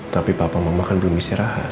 tapi papa mama kan belum istirahat